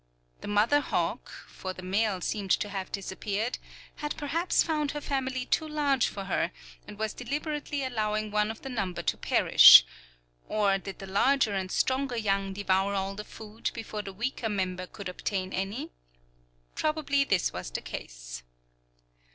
The mother hawk (for the male seemed to have disappeared) had perhaps found her family too large for her, and was deliberately allowing one of the number to perish; or did the larger and stronger young devour all the food before the weaker member could obtain any? Probably this was the case.